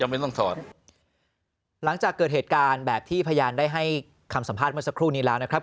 มีที่ได้ให้คำสัมภาษณ์เมื่อสักครู่นี้แล้วนะครับ